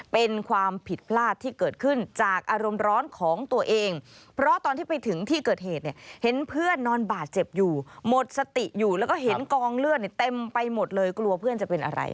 เป็นความผิดพลาดที่เกิดขึ้นจากอารมณ์ร้อนของตัวเองเพราะตอนที่ไปถึงที่เกิดเหตุเนี่ยเห็นเพื่อนนอนบาดเจ็บอยู่หมดสติอยู่แล้วก็เห็นกองเลือดเต็มไปหมดเลยกลัวเพื่อนจะเป็นอะไร